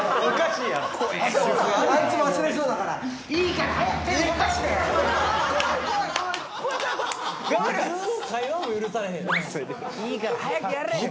「いいから早くやれ！」